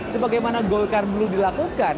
sebagai mana golkar perlu dilakukan